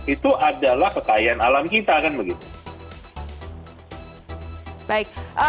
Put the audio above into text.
itu adalah kekayaan alam kita kan begitu